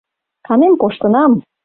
Канен коштынам.